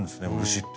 漆って。